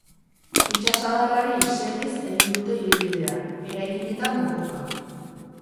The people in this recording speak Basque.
Itsasadarrari segiz egin dute ibilbidea, eraikinetan mokoka.